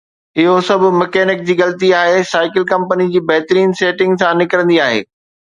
اهو سڀ مکينڪ جي غلطي آهي، سائيڪل ڪمپني جي بهترين سيٽنگ سان نڪرندي آهي